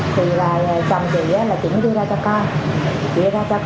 thì khách hàng thử dây thì mình phải cho người ta thử